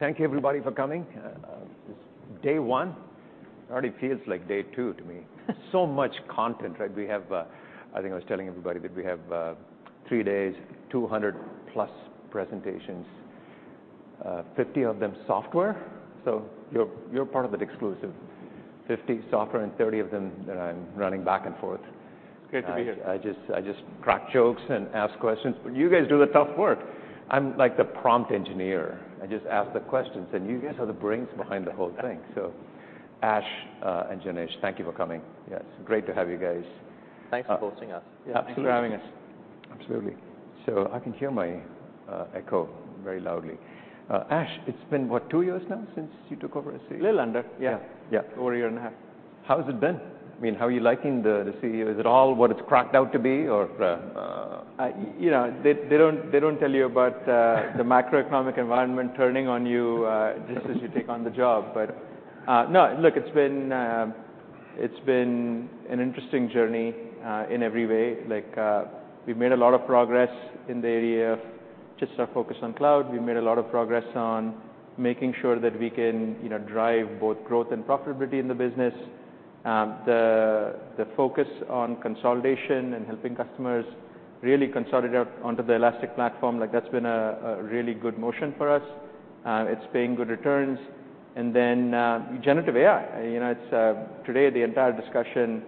Thank you everybody for coming. It's day one. It already feels like day two to me. So much content, right? We have, I think I was telling everybody that we have, 3 days, 200+ presentations, 50 of them software. So you're, you're part of that exclusive. 50 software, and 30 of them that I'm running back and forth. It's great to be here. I just crack jokes and ask questions, but you guys do the tough work. I'm like the prompt engineer. I just ask the questions, and you guys are the brains behind the whole thing. So Ash and Janesh, thank you for coming. Yes, great to have you guys. Thanks for hosting us. Yeah, thanks for having us. Absolutely. So I can hear my echo very loudly. Ash, it's been, what, two years now since you took over as CEO? A little under, yeah. Yeah. Yeah. Over a year and a half. How has it been? I mean, how are you liking the, the CEO? Is it all what it's cracked out to be or, You know, they don't tell you about the macroeconomic environment turning on you just as you take on the job. But, no, look, it's been an interesting journey in every way. Like, we've made a lot of progress in the area of just our focus on cloud. We've made a lot of progress on making sure that we can, you know, drive both growth and profitability in the business. The focus on consolidation and helping customers really consolidate out onto the Elastic platform, like, that's been a really good motion for us, and it's paying good returns. And then, generative AI. You know, it's today, the entire discussion,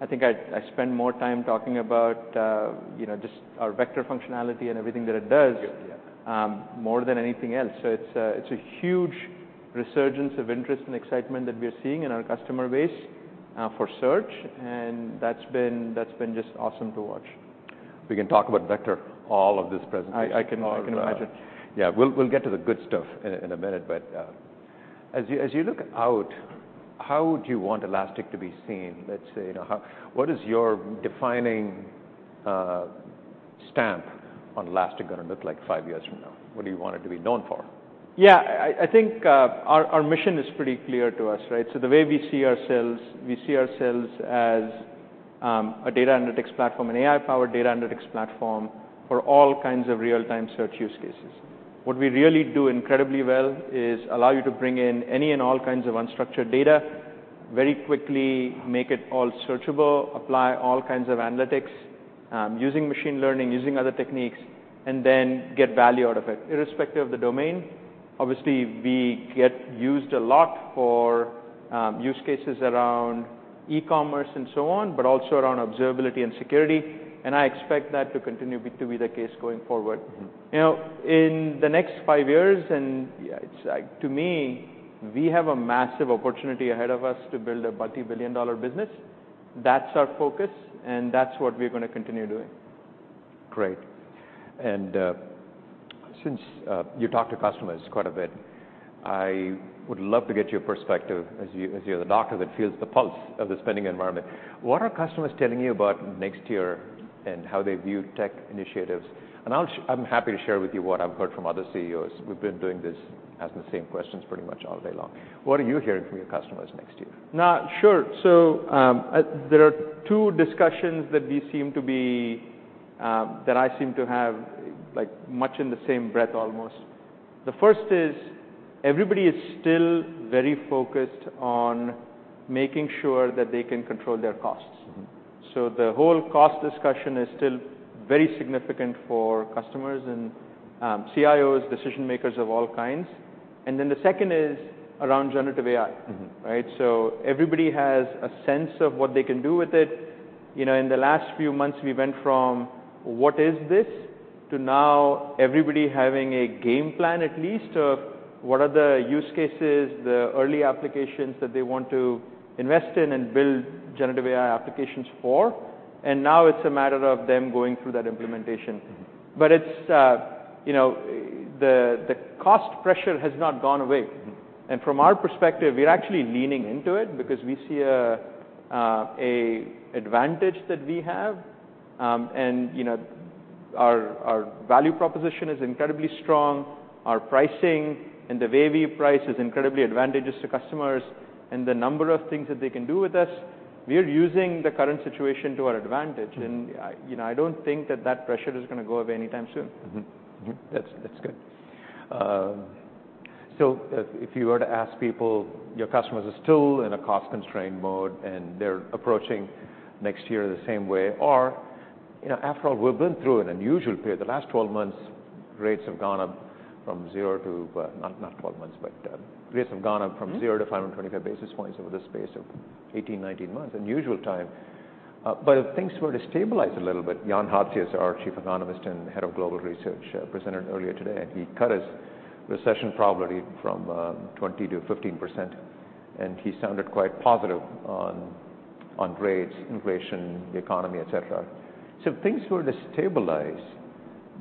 I think I spent more time talking about, you know, just our vector functionality and everything that it does Yeah more than anything else. So it's a huge resurgence of interest and excitement that we are seeing in our customer base for search, and that's been just awesome to watch. We can talk about vector all of this presentation. I can- All about it. I can imagine. Yeah, we'll get to the good stuff in a minute, but as you look out, how would you want Elastic to be seen? Let's say, you know, what is your defining stamp on Elastic gonna look like five years from now? What do you want it to be known for? Yeah, I, I think, our, our mission is pretty clear to us, right? So the way we see ourselves, we see ourselves as, a data analytics platform, an AI-powered data analytics platform for all kinds of real-time search use cases. What we really do incredibly well is allow you to bring in any and all kinds of unstructured data very quickly, make it all searchable, apply all kinds of analytics, using machine learning, using other techniques, and then get value out of it, irrespective of the domain. Obviously, we get used a lot for, use cases around e-commerce and so on, but also around observability and security, and I expect that to continue to be the case going forward. You know, in the next five years, and, yeah, it's like, to me, we have a massive opportunity ahead of us to build a multi-billion dollar business. That's our focus, and that's what we're gonna continue doing. Great. And since you talk to customers quite a bit, I would love to get your perspective, as you're the doctor that feels the pulse of the spending environment. What are customers telling you about next year and how they view tech initiatives? And I'm happy to share with you what I've heard from other CEOs. We've been doing this, asking the same questions pretty much all day long. What are you hearing from your customers next year? Now, sure. So, there are two discussions that I seem to have, like, much in the same breath almost. The first is, everybody is still very focused on making sure that they can control their costs. So the whole cost discussion is still very significant for customers and CIOs, decision makers of all kinds. And then the second is around generative AI. Right? So everybody has a sense of what they can do with it. You know, in the last few months, we went from, "What is this?" to now everybody having a game plan, at least, of what are the use cases, the early applications that they want to invest in and build generative AI applications for. And now it's a matter of them going through that implementation. But it's, you know, the cost pressure has not gone away. From our perspective, we're actually leaning into it because we see a advantage that we have. You know, our value proposition is incredibly strong. Our pricing and the way we price is incredibly advantageous to customers, and the number of things that they can do with us, we are using the current situation to our advantage. I, you know, I don't think that that pressure is gonna go away anytime soon. That's good. So if you were to ask people, your customers are still in a cost-constrained mode, and they're approaching next year the same way, or, you know, after all, we've been through an unusual period. The last 12 months, rates have gone up from 0 to, not 12 months, but rates have gone up from zero to 525 basis points over the space of 18, 19 months. Unusual time. But if things were to stabilize a little bit, Jan Hatzius, our chief economist and head of global research, presented earlier today, and he cut his recession probability from 20% to 15%, and he sounded quite positive on, on rates, inflation, the economy, et cetera. So if things were to stabilize,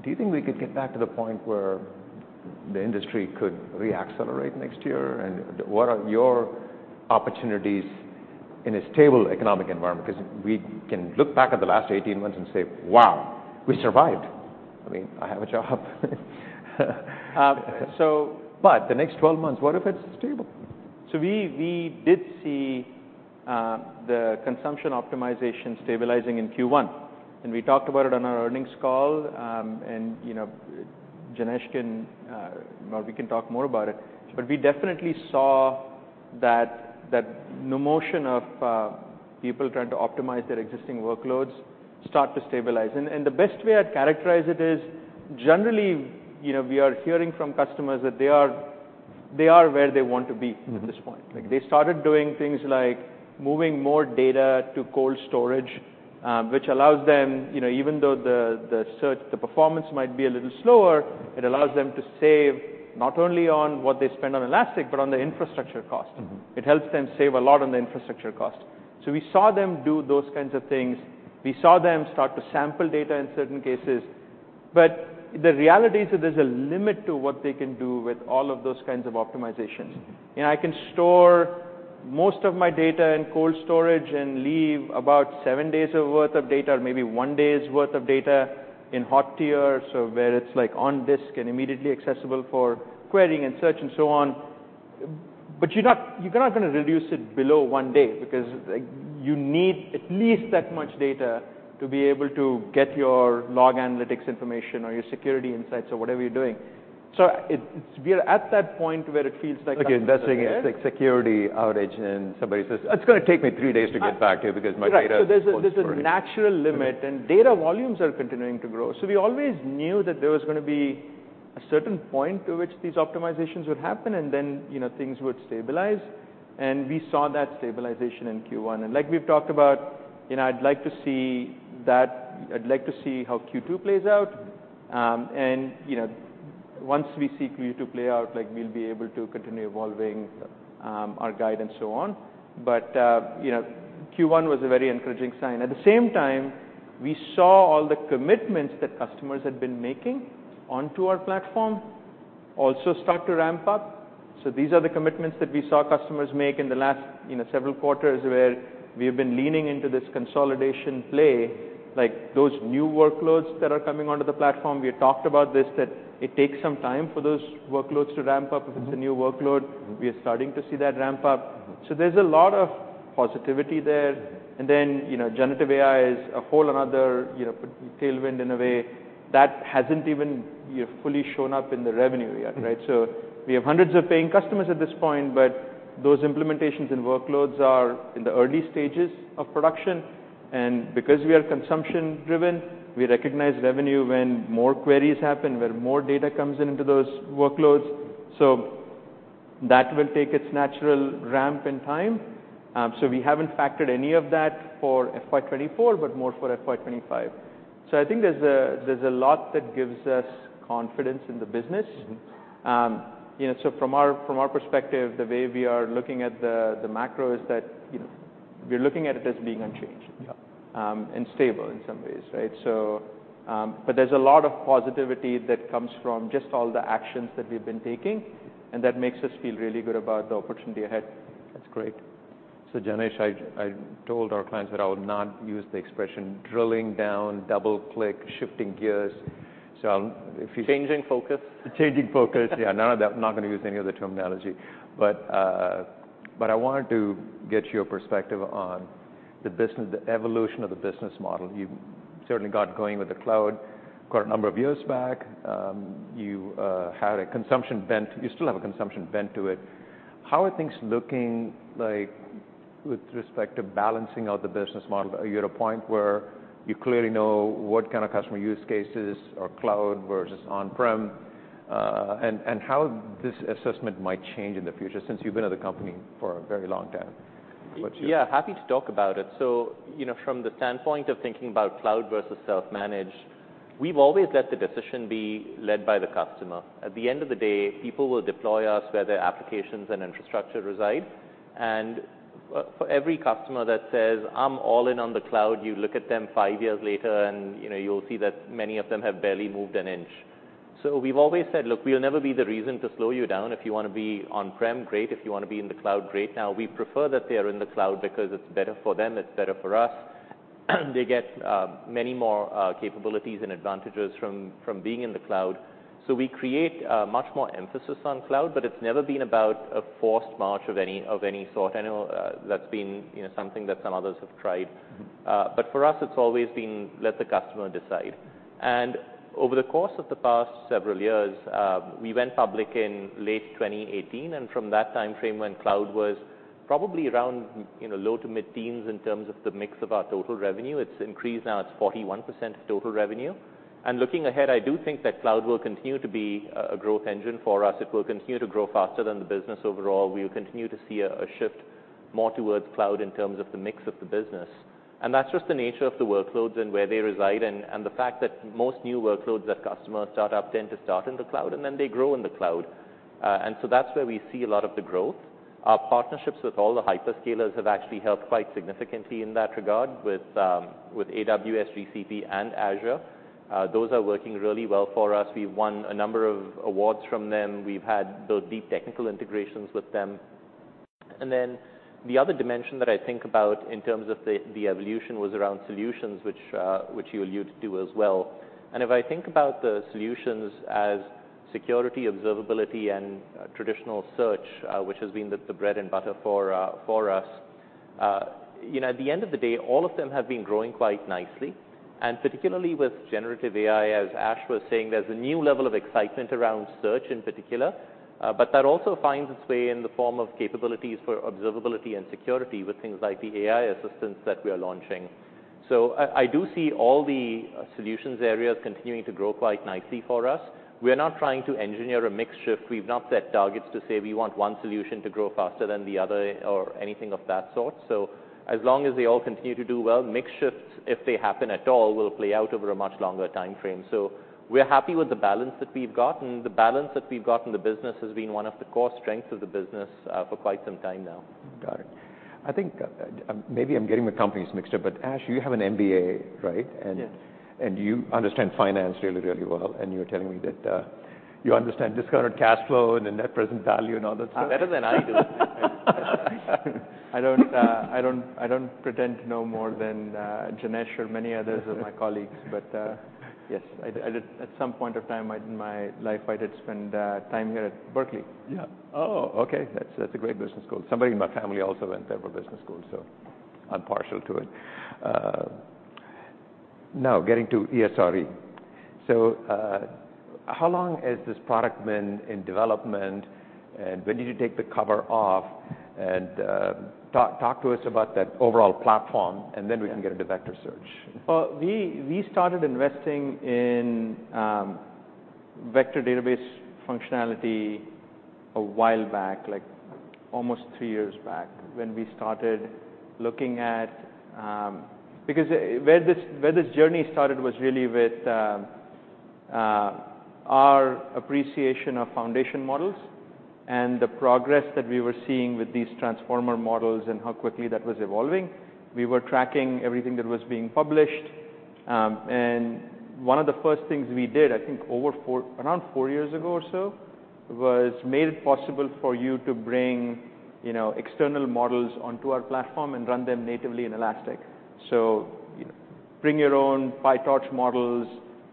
do you think we could get back to the point where the industry could re-accelerate next year? And what are your opportunities in a stable economic environment? 'Cause we can look back at the last 18 months and say, "Wow, we survived! I mean, I have a job. Um, so- But the next 12 months, what if it's stable? So we, we did see, the consumption optimization stabilizing in Q1, and we talked about it on our earnings call. And, you know, Janesh can, or we can talk more about it. But we definitely saw that, that the motion of, people trying to optimize their existing workloads start to stabilize. And the best way I'd characterize it is, generally, you know, we are hearing from customers that they are, they are where they want to be at this point. Like, they started doing things like moving more data to cold storage, which allows them, you know, even though the search performance might be a little slower, it allows them to save not only on what they spend on Elastic, but on the infrastructure cost. It helps them save a lot on the infrastructure cost. So we saw them do those kinds of things. We saw them start to sample data in certain cases, but the reality is that there's a limit to what they can do with all of those kinds of optimizations. You know, I can store most of my data in cold storage and leave about seven days of worth of data, or maybe one day's worth of data in hot tier, so where it's, like, on disk and immediately accessible for querying and search and so on. But you're not gonna reduce it below one day, because, like, you need at least that much data to be able to get your log analytics information or your security insights or whatever you're doing. So it's we are at that point where it feels like Okay, investing in, like, security outage, and somebody says: "It's gonna take me three days to get back to you because my data Right. So there's a natural limit, and data volumes are continuing to grow. So we always knew that there was gonna be a certain point to which these optimizations would happen, and then, you know, things would stabilize, and we saw that stabilization in Q1. And like we've talked about, you know, I'd like to see that, I'd like to see how Q2 plays out. And, you know, once we see Q2 play out, like, we'll be able to continue evolving, our guide and so on. But, you know, Q1 was a very encouraging sign. At the same time, we saw all the commitments that customers had been making onto our platform also start to ramp up. So these are the commitments that we saw customers make in the last, you know, several quarters, where we have been leaning into this consolidation play. Like, those new workloads that are coming onto the platform, we had talked about this, that it takes some time for those workloads to ramp up. If it's a new workload, we are starting to see that ramp up. So there's a lot of positivity there. Then, you know, generative AI is a whole another, you know, tailwind in a way, that hasn't even yet fully shown up in the revenue yet, right? So we have hundreds of paying customers at this point, but those implementations and workloads are in the early stages of production. And because we are consumption-driven, we recognize revenue when more queries happen, where more data comes into those workloads. So that will take its natural ramp in time. So we haven't factored any of that for FY 2024, but more for FY 2025. So I think there's a, there's a lot that gives us confidence in the business. You know, so from our perspective, the way we are looking at the macro is that, you know, we're looking at it as being unchanged. Yeah and stable in some ways, right? So, but there's a lot of positivity that comes from just all the actions that we've been taking, and that makes us feel really good about the opportunity ahead. That's great. So, Janesh, I told our clients that I would not use the expression "drilling down," "double-click," "shifting gears," so if you Changing focus. Changing focus, yeah. None of that. I'm not gonna use any of the terminology. But I wanted to get your perspective on the business, the evolution of the business model. You've certainly got going with the cloud quite a number of years back. You had a consumption bent, you still have a consumption bent to it. How are things looking like with respect to balancing out the business model? Are you at a point where you clearly know what kind of customer use cases or cloud versus on-prem, and how this assessment might change in the future, since you've been at the company for a very long time? What's your Yeah, happy to talk about it. So, you know, from the standpoint of thinking about cloud versus self-managed, we've always let the decision be led by the customer. At the end of the day, people will deploy us where their applications and infrastructure reside. And for every customer that says: "I'm all in on the cloud," you look at them five years later, and, you know, you'll see that many of them have barely moved an inch. So we've always said: Look, we'll never be the reason to slow you down. If you wanna be on-prem, great. If you wanna be in the cloud, great. Now, we prefer that they are in the cloud because it's better for them, it's better for us. They get many more capabilities and advantages from, from being in the cloud. So we create much more emphasis on cloud, but it's never been about a forced march of any, of any sort. I know that's been, you know, something that some others have tried. But for us, it's always been, let the customer decide. And over the course of the past several years, we went public in late 2018, and from that time frame, when cloud was probably around, you know, low to mid teens in terms of the mix of our total revenue, it's increased. Now, it's 41% of total revenue. And looking ahead, I do think that cloud will continue to be a growth engine for us. It will continue to grow faster than the business overall. We will continue to see a shift more towards cloud in terms of the mix of the business, and that's just the nature of the workloads and where they reside, and the fact that most new workloads that customers start up tend to start in the cloud, and then they grow in the cloud. So that's where we see a lot of the growth. Our partnerships with all the hyperscalers have actually helped quite significantly in that regard with AWS, GCP, and Azure. Those are working really well for us. We've won a number of awards from them. We've had built deep technical integrations with them. Then the other dimension that I think about in terms of the evolution was around solutions which you allude to as well. If I think about the solutions as security, observability, and traditional search, which has been the bread and butter for us You know, at the end of the day, all of them have been growing quite nicely, and particularly with generative AI, as Ash was saying, there's a new level of excitement around search in particular, but that also finds its way in the form of capabilities for observability and security with things like the AI assistants that we are launching. So I do see all the solutions areas continuing to grow quite nicely for us. We are not trying to engineer a mix shift. We've not set targets to say we want one solution to grow faster than the other or anything of that sort. So as long as they all continue to do well, mix shifts, if they happen at all, will play out over a much longer time frame. We're happy with the balance that we've got, and the balance that we've got in the business has been one of the core strengths of the business for quite some time now. Got it. I think, maybe I'm getting the companies mixed up, but Ash, you have an MBA, right? Yes. And you understand finance really, really well, and you're telling me that you understand discounted cash flow and the net present value and all that stuff. Better than I do. I don't pretend to know more than Janesh or many others of my colleagues, but yes, I did at some point of time in my life, I did spend time here at Berkeley. Yeah. Oh, okay. That's, that's a great business school. Somebody in my family also went there for business school, so I'm partial to it. Now, getting to ESRE. So, how long has this product been in development, and when did you take the cover off? And, talk, talk to us about that overall platform, and then we can get into vector search. Well, we started investing in vector database functionality a while back, like almost three years back, when we started looking at, because where this journey started was really with our appreciation of foundation models and the progress that we were seeing with these transformer models and how quickly that was evolving. We were tracking everything that was being published, and one of the first things we did, I think over four, around four years ago or so, was made it possible for you to bring, you know, external models onto our platform and run them natively in Elastic. So bring your own PyTorch models.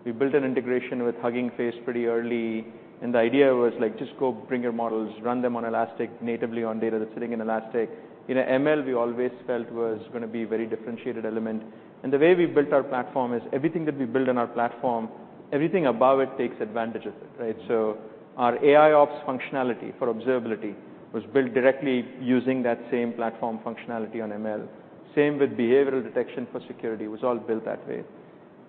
We built an integration with Hugging Face pretty early, and the idea was, like, just go bring your models, run them on Elastic, natively on data that's sitting in Elastic. You know, ML, we always felt was gonna be a very differentiated element, and the way we built our platform is everything that we build on our platform, everything above it takes advantage of it, right? So our AIOps functionality for observability was built directly using that same platform functionality on ML. Same with behavioral detection for security, was all built that way.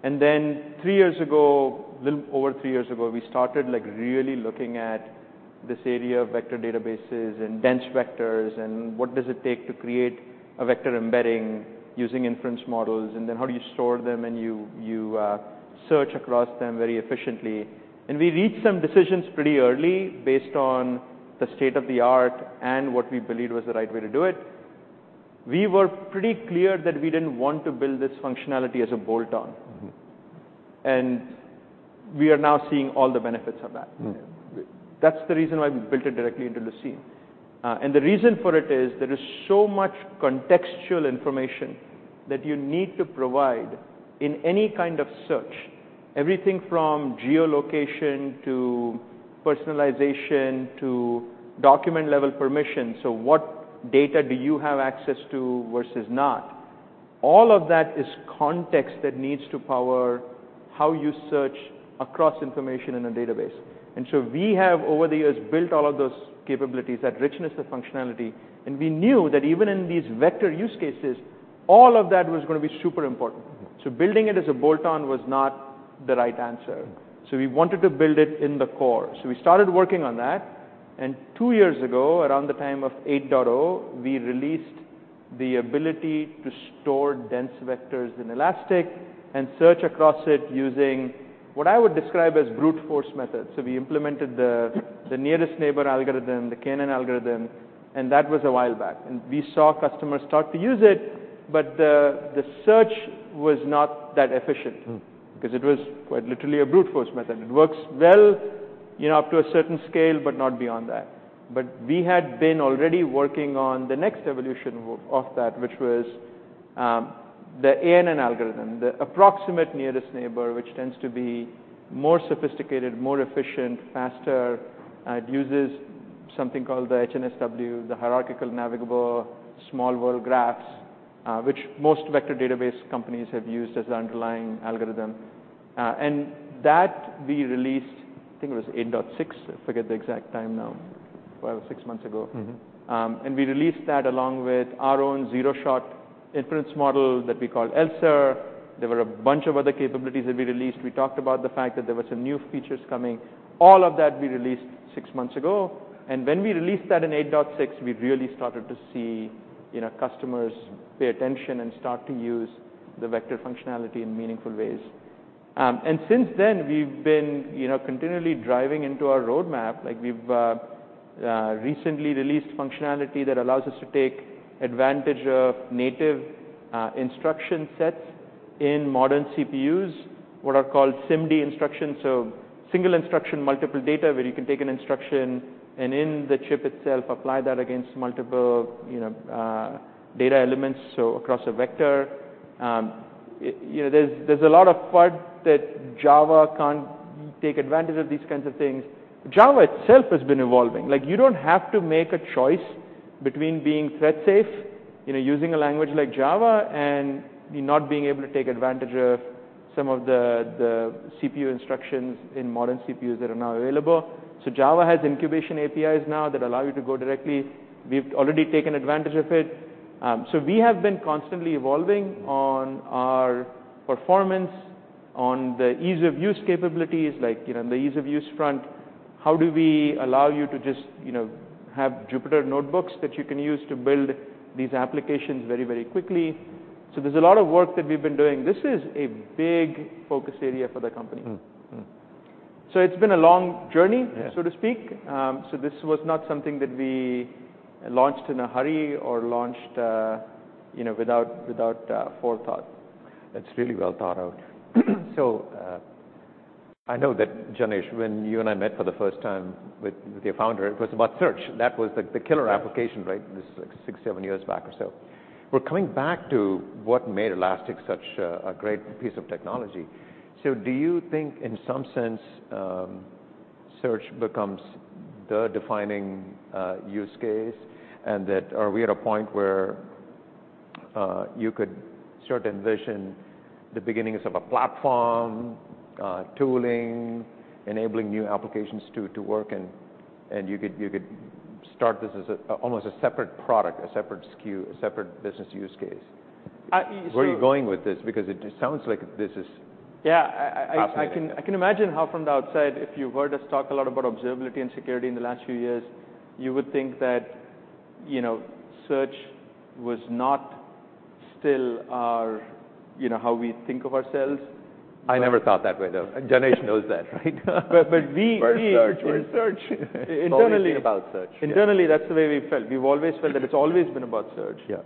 And then, three years ago, a little over three years ago, we started, like, really looking at this area of vector databases and dense vectors and what does it take to create a vector embedding using inference models, and then how do you store them and you search across them very efficiently. And we reached some decisions pretty early based on the state-of-the-art and what we believed was the right way to do it. We were pretty clear that we didn't want to build this functionality as a bolt-on. We are now seeing all the benefits of that. That's the reason why we built it directly into Lucene. And the reason for it is there is so much contextual information that you need to provide in any kind of search, everything from geolocation to personalization to document-level permission. So what data do you have access to versus not? All of that is context that needs to power how you search across information in a database. And so we have, over the years, built all of those capabilities, that richness of functionality, and we knew that even in these vector use cases, all of that was gonna be super important. Building it as a bolt-on was not the right answer. So we wanted to build it in the core. So we started working on that, and two years ago, around the time of 8.0, we released the ability to store dense vectors in Elastic and search across it using what I would describe as brute force methods. So we implemented the nearest neighbor algorithm, the kNN algorithm, and that was a while back. And we saw customers start to use it, but the search was not that efficient. because it was quite literally a brute force method. It works well, you know, up to a certain scale, but not beyond that. But we had been already working on the next evolution of that, which was the ANN algorithm, the approximate nearest neighbor, which tends to be more sophisticated, more efficient, faster. It uses something called the HNSW, the Hierarchical Navigable Small World graphs, which most vector database companies have used as the underlying algorithm. And that we released, I think it was 8.6, I forget the exact time now, well, six months ago. And we released that along with our own zero-shot inference model that we call ELSER. There were a bunch of other capabilities that we released. We talked about the fact that there were some new features coming. All of that we released six months ago, and when we released that in 8.6, we really started to see, you know, customers pay attention and start to use the vector functionality in meaningful ways. And since then, we've been, you know, continually driving into our roadmap. Like, we've recently released functionality that allows us to take advantage of native instruction sets in modern CPUs, what are called SIMD instructions, so single instruction, multiple data, where you can take an instruction, and in the chip itself, apply that against multiple, you know, data elements, so across a vector. You know, there's a lot of FUD that Java can't take advantage of these kinds of things. Java itself has been evolving. Like, you don't have to make a choice between being thread safe, you know, using a language like Java, and you not being able to take advantage of some of the CPU instructions in modern CPUs that are now available. So Java has incubation APIs now that allow you to go directly. We've already taken advantage of it. So we have been constantly evolving on our performance, on the ease-of-use capabilities, like, you know, on the ease of use front, how do we allow you to just, you know, have Jupyter Notebooks that you can use to build these applications very, very quickly? So there's a lot of work that we've been doing. This is a big focus area for the company. So it's been a long journey- Yeah so to speak. So this was not something that we launched in a hurry or launched, you know, without forethought. It's really well thought out. So, I know that, Janesh, when you and I met for the first time with your founder, it was about search. That was the, the killer application, right? This is like six, seven years back or so. We're coming back to what made Elastic such a, a great piece of technology. So do you think, in some sense, search becomes the defining use case, and that are we at a point where, you could sort of envision the beginnings of a platform, tooling, enabling new applications to, to work, and, and you could, you could start this as a, almost a separate product, a separate SKU, a separate business use case? I, so- Where are you going with this? Because it sounds like this is- Yeah, I... fascinating I can imagine how from the outside, if you've heard us talk a lot about observability and security in the last few years, you would think that, you know, search was not still our, you know, how we think of ourselves. I never thought that way, though, and Janesh knows that, right? But we- First search search internally. It's always been about search. Internally, that's the way we felt. We've always felt that it's always been about search. Yeah.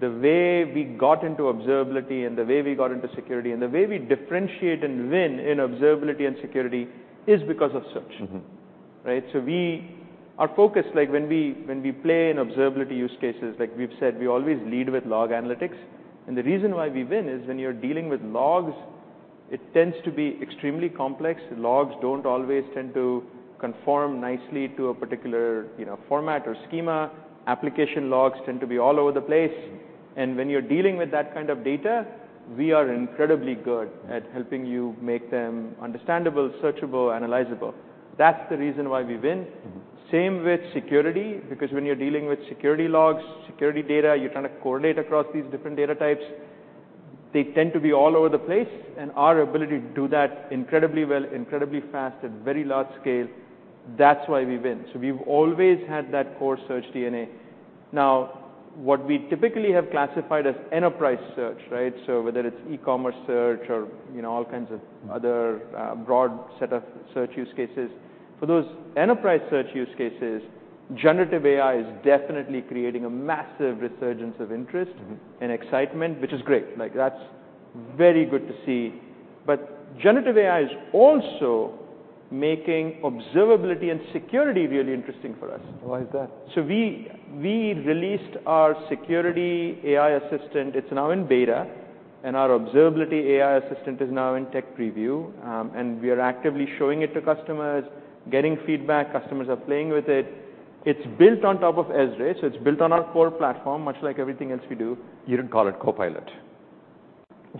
The way we got into observability and the way we got into security, and the way we differentiate and win in observability and security is because of search. Right? So our focus, like when we play in observability use cases, like we've said, we always lead with log analytics. And the reason why we win is when you're dealing with logs, it tends to be extremely complex. Logs don't always tend to conform nicely to a particular, you know, format or schema. Application logs tend to be all over the place, and when you're dealing with that kind of data, we are incredibly good at helping you make them understandable, searchable, analyzable. That's the reason why we win. Same with security, because when you're dealing with security logs, security data, you're trying to coordinate across these different data types. They tend to be all over the place, and our ability to do that incredibly well, incredibly fast, at very large scale, that's why we win. So we've always had that core search DNA. Now, what we typically have classified as enterprise search, right? So whether it's e-commerce search or, you know, all kinds of other, broad set of search use cases, for those enterprise search use cases, generative AI is definitely creating a massive resurgence of interest- and excitement, which is great. Like, that's very good to see. But generative AI is also making observability and security really interesting for us. Why is that? So we released our Security AI Assistant. It's now in beta, and our Observability AI Assistant is now in tech preview. And we are actively showing it to customers, getting feedback. Customers are playing with it. It's built on top of ESRE, so it's built on our core platform, much like everything else we do. You don't call it Copilot.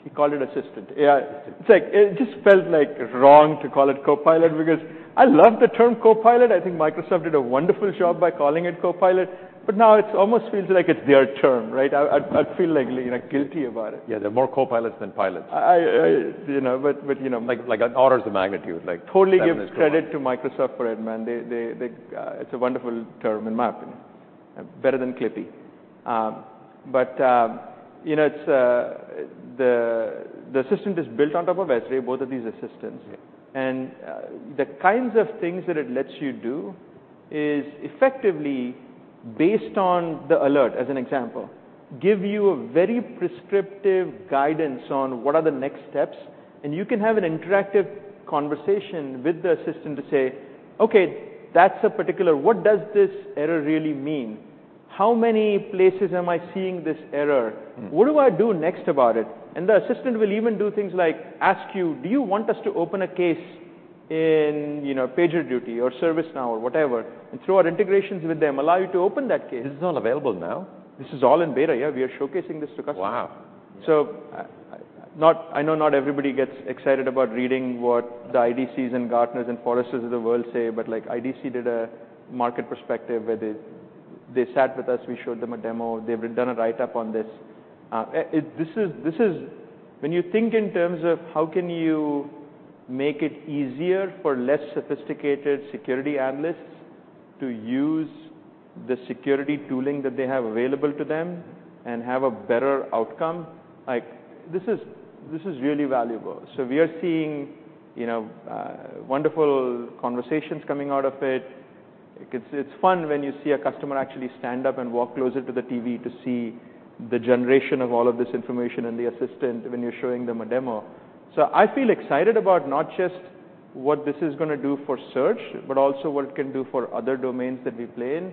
We call it Assistant. Yeah, it's like it just felt like wrong to call it Copilot, because I love the term Copilot. I think Microsoft did a wonderful job by calling it Copilot, but now it almost feels like it's their term, right? I, I, I'd feel like, you know, guilty about it. Yeah, there are more Copilots than pilots. You know, but you know Like an orders of magnitude, like Totally give credit That is cool. to Microsoft for it, man. They, it's a wonderful term in my opinion, better than Clippy. But you know, it's the assistant is built on top of ESRE, both of these assistants. Yeah. The kinds of things that it lets you do is effectively based on the alert, as an example, give you a very prescriptive guidance on what are the next steps, and you can have an interactive conversation with the assistant to say: "Okay, that's a particular. What does this error really mean? How many places am I seeing this error? What do I do next about it?" And the assistant will even do things like ask you: "Do you want us to open a case in, you know, PagerDuty, or ServiceNow, or whatever?" And through our integrations with them, allow you to open that case. This is all available now? This is all in beta. Yeah, we are showcasing this to customers. Wow! So, I know not everybody gets excited about reading what the IDCs and Gartners and Forresters of the world say, but like IDC did a market perspective where they, they sat with us, we showed them a demo. They've done a write-up on this. This is, this is when you think in terms of how can you make it easier for less sophisticated security analysts to use the security tooling that they have available to them and have a better outcome, like this is, this is really valuable. So we are seeing, you know, wonderful conversations coming out of it. It's, it's fun when you see a customer actually stand up and walk closer to the TV to see the generation of all of this information and the assistant when you're showing them a demo. I feel excited about not just what this is gonna do for search, but also what it can do for other domains that we play in.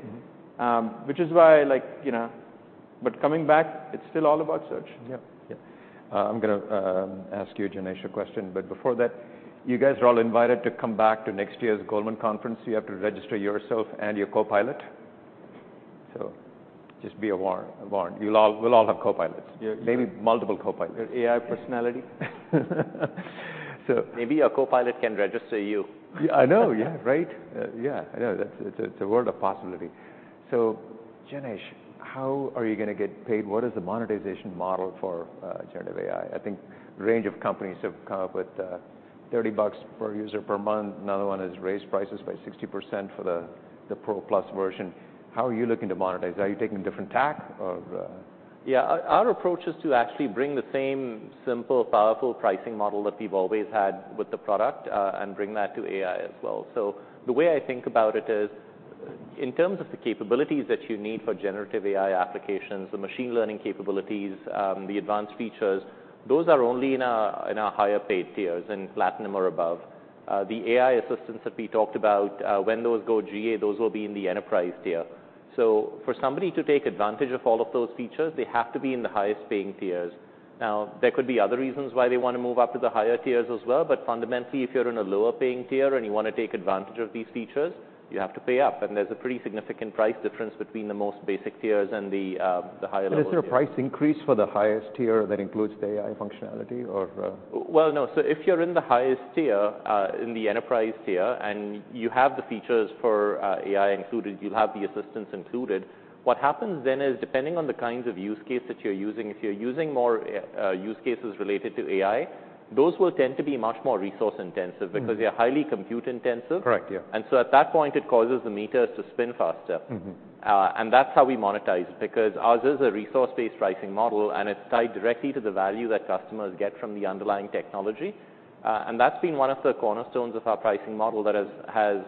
Which is why, like, you know, but coming back, it's still all about search. Yeah. Yeah. I'm gonna ask you, Janesh, a question, but before that, you guys are all invited to come back to next year's Goldman conference. You have to register yourself and your copilot. So just be warned. We'll all have copilots. Yeah. Maybe multiple Copilots. Your AI personality. So Maybe your Copilot can register you. I know, yeah, right? Yeah, I know. That's it's a, it's a world of possibility. So, Janesh, how are you gonna get paid? What is the monetization model for, generative AI? I think a range of companies have come up with, $30 per user per month. Another one has raised prices by 60% for the Pro Plus version. How are you looking to monetize? Are you taking a different tack or, Yeah. Our approach is to actually bring the same simple, powerful pricing model that we've always had with the product, and bring that to AI as well. So the way I think about it is, in terms of the capabilities that you need for generative AI applications, the machine learning capabilities, the advanced features, those are only in our higher paid tiers, in Platinum or above. The AI assistants that we talked about, when those go GA, those will be in the Enterprise tier. So for somebody to take advantage of all of those features, they have to be in the highest paying tiers. Now, there could be other reasons why they wanna move up to the higher tiers as well, but fundamentally, if you're in a lower paying tier and you wanna take advantage of these features, you have to pay up, and there's a pretty significant price difference between the most basic tiers and the higher level tiers. Is there a price increase for the highest tier that includes the AI functionality, or? Well, no. So if you're in the highest tier, in the Enterprise tier, and you have the features for AI included, you'll have the assistants included. What happens then is, depending on the kinds of use case that you're using, if you're using more use cases related to AI, those will tend to be much more resource intensive because they are highly compute intensive. Correct. Yeah. At that point, it causes the meters to spin faster. And that's how we monetize, because ours is a resource-based pricing model, and it's tied directly to the value that customers get from the underlying technology. And that's been one of the cornerstones of our pricing model that has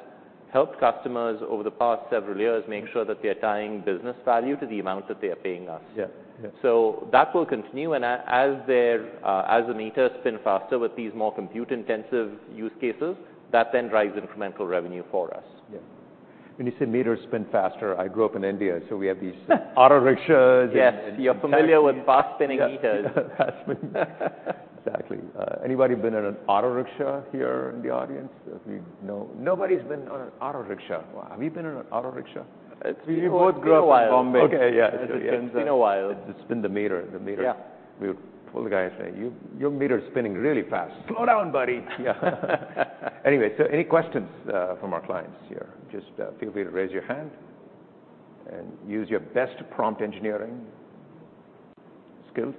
helped customers over the past several years, make sure that they are tying business value to the amount that they are paying us. Yeah. Yeah. So that will continue, and as the meters spin faster with these more compute-intensive use cases, that then drives incremental revenue for us. Yeah. When you say meters spin faster, I grew up in India, so we have these auto rickshaws and Yes, you're familiar with fast-spinning meters. Yeah, fast spinning. Exactly. Anybody been in an auto rickshaw here in the audience? If you, No. Nobody's been on an auto rickshaw. Wow! Have you been in an auto rickshaw? It's- We both grew up in Bombay. It's been a while. Okay, yeah. It's been a while. It spin the meter. Yeah. We would pull the guy and say, "You, your meter is spinning really fast. Slow down, buddy! Yeah. Anyway, so any questions from our clients here? Just, feel free to raise your hand and use your best prompt engineering skills.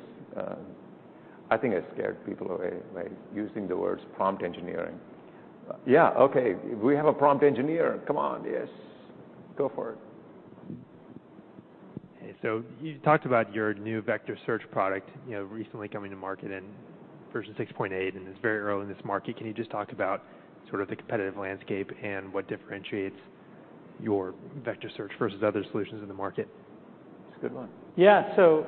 I think I scared people away by using the words prompt engineering. Yeah, okay. We have a prompt engineer. Come on. Yes. Go for it. Hey, so you talked about your new vector search product, you know, recently coming to market in version 6.8, and it's very early in this market. Can you just talk about sort of the competitive landscape and what differentiates your vector search versus other solutions in the market? It's a good one. Yeah. So,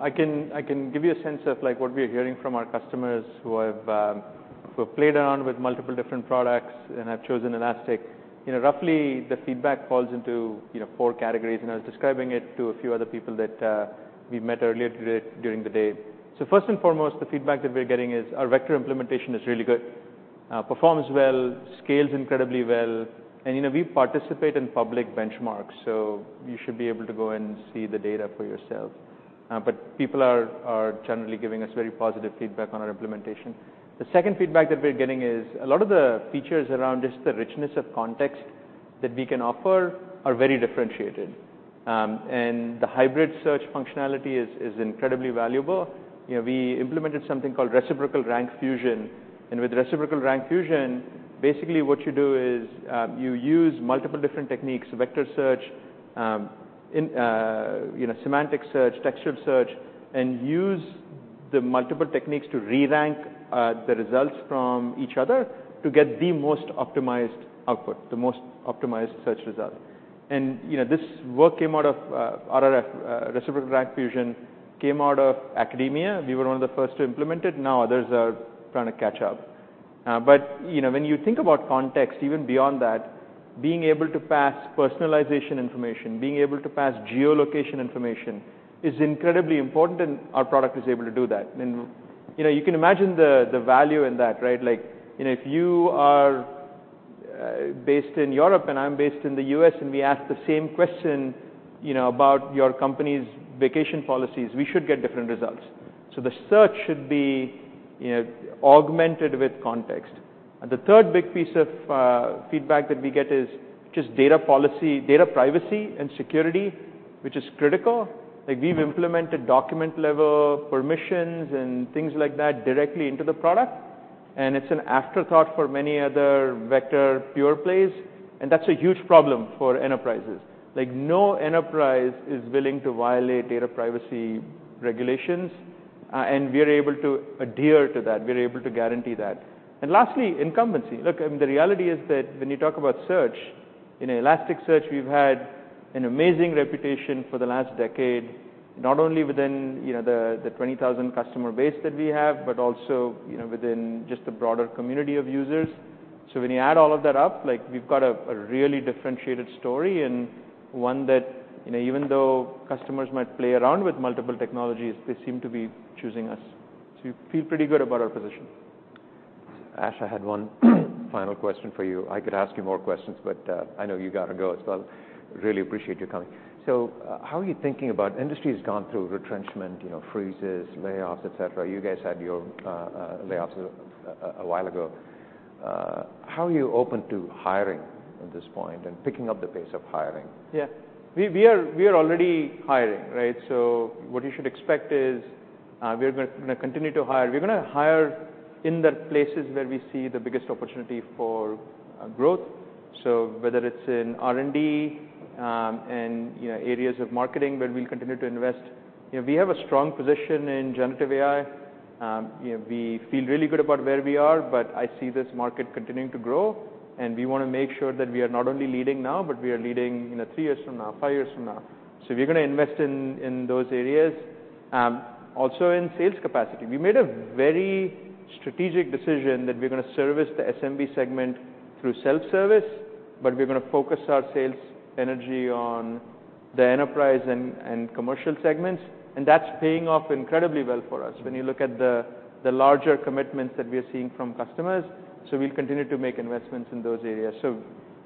I can, I can give you a sense of like, what we are hearing from our customers who have, who have played around with multiple different products and have chosen Elastic. You know, roughly, the feedback falls into, you know, four categories, and I was describing it to a few other people that, we met earlier today, during the day. So first and foremost, the feedback that we're getting is our vector implementation is really good. Performs well, scales incredibly well, and, you know, we participate in public benchmarks, so you should be able to go and see the data for yourself. But people are, are generally giving us very positive feedback on our implementation. The second feedback that we're getting is, a lot of the features around just the richness of context that we can offer are very differentiated. The hybrid search functionality is incredibly valuable. You know, we implemented something called Reciprocal Rank Fusion, and with Reciprocal Rank Fusion, basically what you do is you use multiple different techniques, vector search, you know, semantic s earch, textual search, and use the multiple techniques to re-rank the results from each other to get the most optimized output, the most optimized search result. You know, this work came out of RRF, Reciprocal Rank Fusion, came out of academia. We were one of the first to implement it. Now, others are trying to catch up. But you know, when you think about context, even beyond that, being able to pass personalization information, being able to pass geolocation information is incredibly important, and our product is able to do that. And, you know, you can imagine the value in that, right? Like, you know, if you are based in Europe and I'm based in the U.S., and we ask the same question, you know, about your company's vacation policies, we should get different results. So the search should be, you know, augmented with context. And the third big piece of feedback that we get is just data policy, data privacy and security, which is critical. Like, we've implemented document-level permissions and things like that directly into the product, and it's an afterthought for many other vector pure plays, and that's a huge problem for enterprises. Like, no enterprise is willing to violate data privacy regulations, and we are able to adhere to that. We're able to guarantee that. And lastly, incumbency. Look, the reality is that when you talk about search, in Elasticsearch, we've had an amazing reputation for the last decade, not only within, you know, the 20,000 customer base that we have, but also, you know, within just the broader community of users. So when you add all of that up, like, we've got a really differentiated story and one that, you know, even though customers might play around with multiple technologies, they seem to be choosing us. So we feel pretty good about our position. Ash, I had one final question for you. I could ask you more questions, but, I know you gotta go as well. Really appreciate you coming. So, how are you thinking about industry has gone through retrenchment, you know, freezes, layoffs, et cetera. You guys had your layoffs a while ago. How are you open to hiring at this point and picking up the pace of hiring? Yeah. We are already hiring, right? So what you should expect is, we are gonna continue to hire. We're gonna hire in the places where we see the biggest opportunity for growth. So whether it's in R&D, you know, areas of marketing where we'll continue to invest. You know, we have a strong position in generative AI. You know, we feel really good about where we are, but I see this market continuing to grow, and we wanna make sure that we are not only leading now, but we are leading, you know, three years from now, five years from now. So we're gonna invest in those areas. Also in sales capacity. We made a very strategic decision that we're gonna service the SMB segment through self-service, but we're gonna focus our sales energy on the enterprise and commercial segments, and that's paying off incredibly well for us when you look at the larger commitments that we are seeing from customers. So we'll continue to make investments in those areas. So,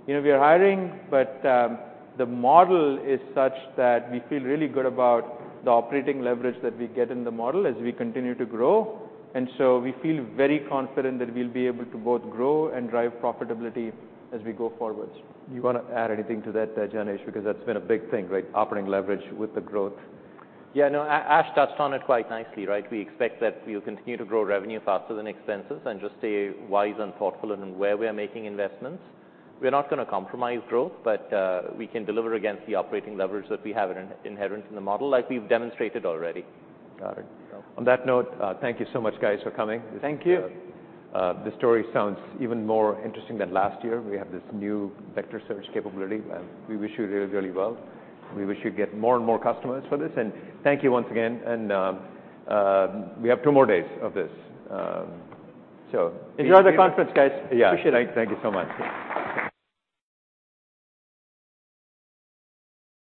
you know, we are hiring, but the model is such that we feel really good about the operating leverage that we get in the model as we continue to grow. And so we feel very confident that we'll be able to both grow and drive profitability as we go forward. Do you wanna add anything to that, Janesh? Because that's been a big thing, right? Operating leverage with the growth. Yeah, no, Ash touched on it quite nicely, right? We expect that we'll continue to grow revenue faster than expenses and just stay wise and thoughtful in where we are making investments. We're not gonna compromise growth, but we can deliver against the operating leverage that we have inherent in the model, like we've demonstrated already. Got it. On that note, thank you so much, guys, for coming. Thank you. The story sounds even more interesting than last year. We have this new vector search capability, and we wish you really, really well. We wish you'd get more and more customers for this. And thank you once again, and we have two more days of this. So Enjoy the conference, guys. Yeah. Appreciate it. Thank you so much.